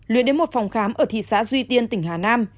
luyện đến một phòng khám ở thị xã duy tiên tỉnh hà nam